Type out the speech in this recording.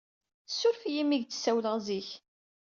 Suref-iyi imi k-d-ssawleɣ zik.